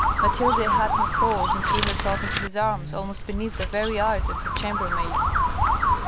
Mathilde had him called and threw herself into his arms almost beneath the very eyes of her chambermaid.